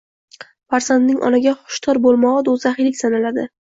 Farzandning onaga “Xushtor bo’lmog’i” do’zaxiylik sanaladi.